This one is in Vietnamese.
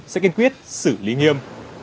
sẽ kiên quyết xử lý nghiêm